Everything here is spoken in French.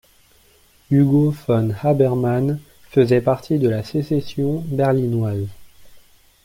Hugo von Habermann faisait partie de la Sécession berlinoise.